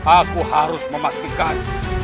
aku harus memastikan